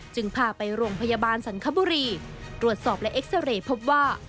พาไปโรงพยาบาลสันคบุรีตรวจสอบและเอ็กซาเรย์พบว่า